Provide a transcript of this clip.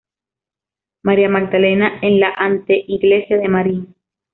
María Magdalena en la anteiglesia de Marin.